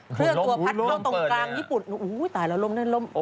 เพื่อตัวพัดเข้าตรงกลางญี่ปุ่นอุ้ยตายแล้วล้มได้ล้ม